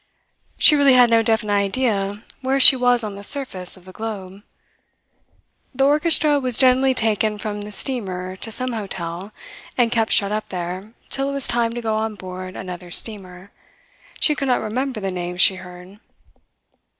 She really had no definite idea where she was on the surface of the globe. The orchestra was generally taken from the steamer to some hotel, and kept shut up there till it was time to go on board another steamer. She could not remember the names she heard.